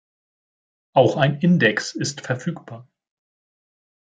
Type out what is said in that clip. Auch ein Index ist verfügbar.